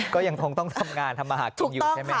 ก็ยังคงต้องทำงานทำมาหากินอยู่ใช่ไหมครับ